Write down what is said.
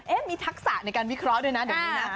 มีทักษะในการวิเคราะห์ด้วยนะเดี๋ยวนี้นะ